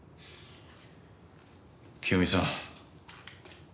清美さん